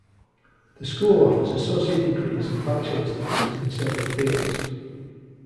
The school offers associate degrees and bachelor's degrees in several fields.